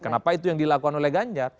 kenapa itu yang dilakukan oleh ganjar